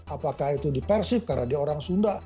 apakah itu di persib karena dia orang sunda